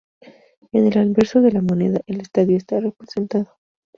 En el anverso de la moneda, el estadio está representado.